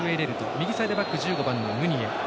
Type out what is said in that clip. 右サイドバック、１５番のムニエ。